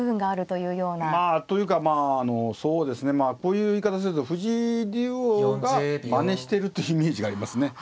まあというかまああのそうですねまあこういう言い方すると藤井竜王がまねしてるというイメージがありますね。